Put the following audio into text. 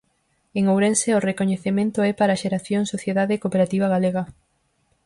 En Ourense, o recoñecemento é para Xeración Sociedade Cooperativa Galega.